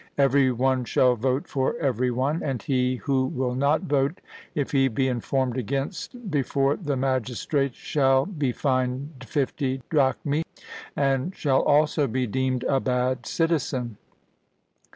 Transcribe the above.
Every one shall vote for every one, and he who will not vote, if he be informed against before the magistrates, shall be fined fifty drachmae, and shall also be deemed a bad citizen.